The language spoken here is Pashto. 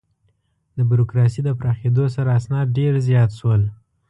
د بروکراسي د پراخېدو سره، اسناد ډېر زیات شول.